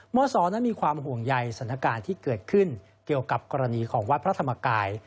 ศนั้นมีความห่วงใยสถานการณ์ที่เกิดขึ้นเกี่ยวกับกรณีของวัดพระธรรมกาย